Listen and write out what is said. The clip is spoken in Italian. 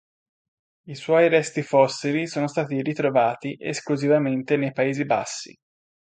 I suoi resti fossili sono stati ritrovati esclusivamente nei Paesi Bassi.